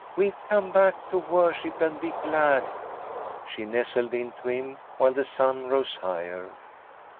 "We've come back to worship and be glad!" She nestled into him, while the sun rose higher.